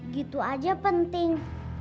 gitu aja penting